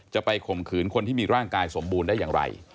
ไปข่มขืนคนที่มีร่างกายสมบูรณ์ได้อย่างไร